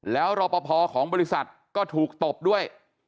แล้วรอปภของบริษัทก็ถูกตบด้วย